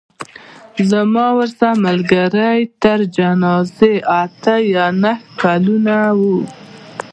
زما ورسره ملګرۍ تر جنازې اته یا نهه کلونه وه.